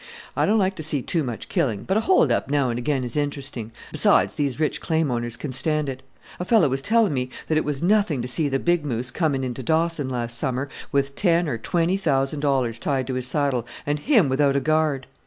I don't like to see too much killing, but a hold up now and again is interesting! besides, these rich claim owners can stand it. A fellow was telling me that it was nothing to see the 'Big Moose' coming into Dawson, last summer, with ten or twenty thousand dollars tied to his saddle, and him without a guard!